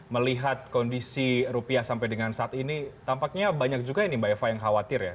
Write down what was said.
melihat kondisi rupiah sampai dengan saat ini tampaknya banyak juga ini mbak eva yang khawatir ya